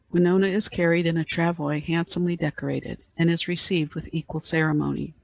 Winona is carried in a travois handsomely decorated, and is received with equal ceremony.